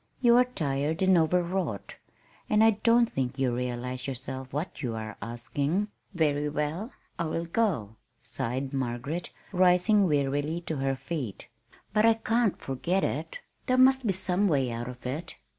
You are tired and overwrought, and I don't think you realize yourself what you are asking." "Very well, I will go," sighed Margaret, rising wearily to her feet. "But I can't forget it. There must be some way out of it.